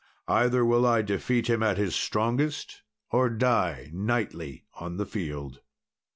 Either will I defeat him at his mightiest, or die knightly in the field."